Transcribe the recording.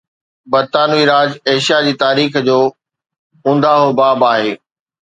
برطانوي راڄ ايشيا جي تاريخ جو اونداهو باب آهي